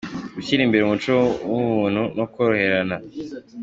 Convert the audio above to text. – Gushyira imbere umuco w’ubumuntu no koroherana